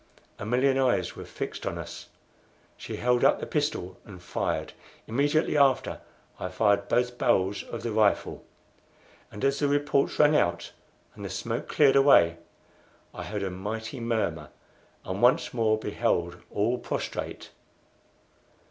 A million eyes were fixed on us. She held up the pistol and fired. Immediately after, I fired both barrels of the rifle; and as the reports rang out and the smoke cleared away, I heard a mighty murmur, and once more beheld all prostrate.